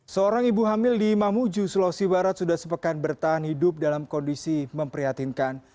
seorang ibu hamil di mamuju sulawesi barat sudah sepekan bertahan hidup dalam kondisi memprihatinkan